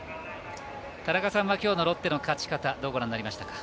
田中さんはきょうのロッテの勝ち方をどうご覧になりましたか。